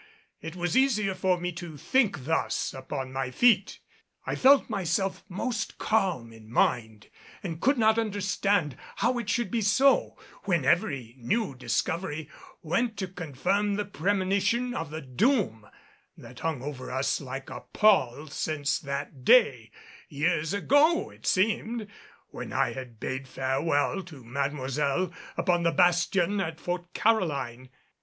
It was easier for me to think thus upon my feet. I felt myself most calm in mind and could not understand how it should be so when every new discovery went to confirm the premonition of the doom that had hung over us like a pall since that day years ago it seemed when I had bade farewell to Mademoiselle upon the bastion at Fort Caroline.